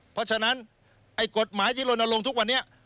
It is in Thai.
เพราะฉะนั้นไอ้กฎหมายที่ลนลงทุกวันนี้